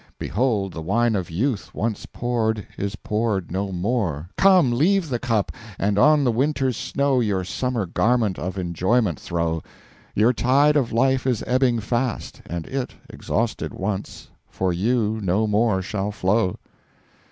Behold, The Wine of Youth once poured, is poured no more 'Come, leave the Cup, and on the Winter's Snow Your Summer Garment of Enjoyment throw: Your Tide of Life is ebbing fast, and it, Exhausted once, for You no more shall flow.'